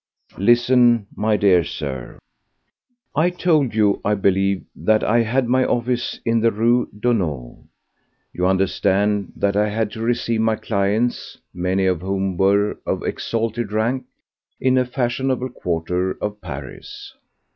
Listen, my dear Sir. I told you, I believe, that I had my office in the Rue Daunou. You understand that I had to receive my clients—many of whom were of exalted rank— in a fashionable quarter of Paris.